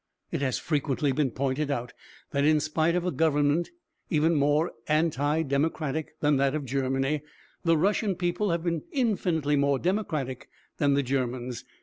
It has frequently been pointed out that in spite of a government even more anti democratic than that of Germany, the Russian people have been infinitely more democratic than the Germans.